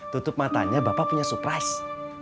tutup matanya bapak punya surprise